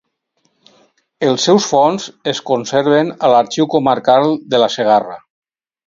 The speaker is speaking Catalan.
Els seus fons es conserven a l'Arxiu Comarcal de la Segarra.